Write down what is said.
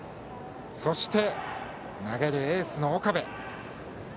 そして、投げるエースの岡部。